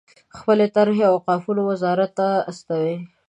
خپلې طرحې اوقافو وزارت ته استوي.